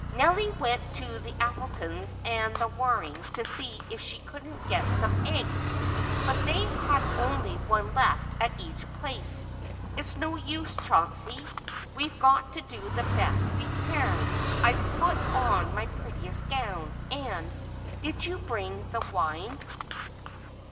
"Nelly went to the Appletons and the Warings to see if she couldn't get some eggs, but they had only one left at each place. It's no use, Chauncey, we've got to do the best we can. I've put on my prettiest gown, and—did you bring the wine?"